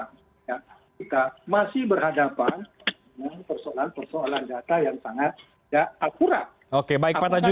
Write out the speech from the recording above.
untuk menentukan garis kemiskinan upah minimum